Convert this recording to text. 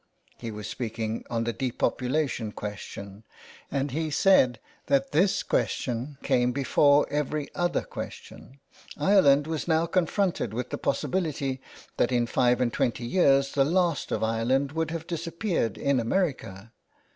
He was speaking on the depopulation question, and he said that this question came before every other 374 THE WILD GOOSE. question. Ireland was now confronted with the possibility that in five and twenty years the last of Ireland would have disappeared in America.